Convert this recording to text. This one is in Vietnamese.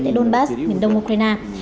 tại donbass miền đông ukraine